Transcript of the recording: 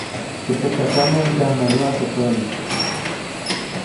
Teʼ pekatsame ndsyamjayuʼa teʼ päʼnis.